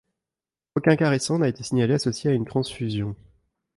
Aucun cas récent n'a été signalé associé à une transfusion.